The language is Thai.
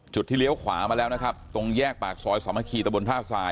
ที่เลี้ยวขวามาแล้วนะครับตรงแยกปากซอยสามัคคีตะบนท่าทราย